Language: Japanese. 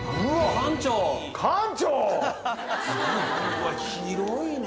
うわ広いね。